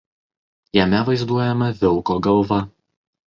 Jame vaizduojama vilko galva.